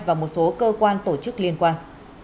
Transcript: và một số cơ quan tổ chức liên quan